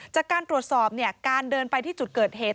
จากการตรวจสอบการเดินไปที่จุดเกิดเหตุ